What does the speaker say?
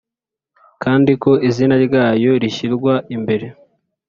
kandi ko izina ryayo rishyirwa imbere